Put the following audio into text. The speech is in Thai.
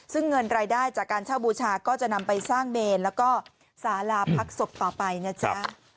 ซึ่งเงินรายได้จากการเช่าบูชาก็จะนำไปสร้างเมนแล้วก็สาราพักศพต่อไปนะจ๊ะ